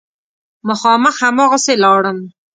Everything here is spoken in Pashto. مخامخ هماغسې لاړم.